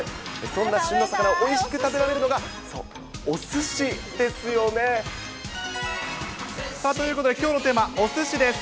そんな旬の魚をおいしく食べられるのが、そう、おすしですよね。ということで、きょうのテーマ、おすしです。